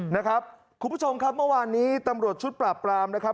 นะครับคุณผู้ชมครับเมื่อวานนี้ตำรวจชุดปราบปรามนะครับ